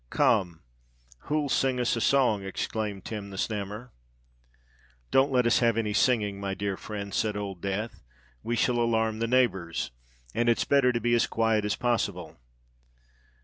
"Come—who'll sing us a song?" exclaimed Tim the Snammer. "Don't let us have any singing, my dear friend," said Old Death: "we shall alarm the neighbours—and it's better to be as quiet as possible."